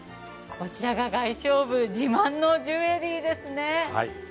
こちらが外商部自慢のジュエリーですね。